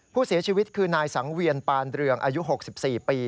ผู้เสียชีวิตคือนายสังเวียนปานเรืองอายุ๖๔ปี